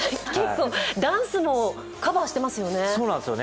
ダンスもカバーしてますよね？